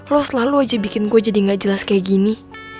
lo selalu aja bikin gue jadi gak jelas kayak gini